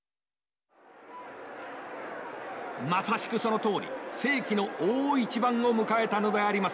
まさしくそのとおり世紀の大一番を迎えたのであります。